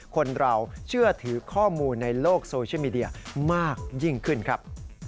คนเราเชื่อถือข้อมูลในโลกโซเชียลมีเดียมากยิ่งขึ้นครับ